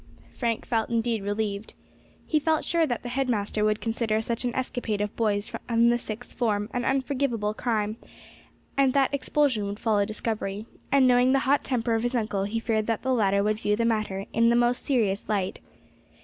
Frank felt indeed relieved. He felt sure that the head master would consider such an escapade by boys of the Sixth Form an unforgivable crime, and that expulsion would follow discovery; and knowing the hot temper of his uncle, he feared that the latter would view the matter in the most serious light.